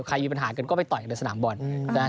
ใครมีปัญหากันก็ไปต่อกันทั้งสนามฟุตบอล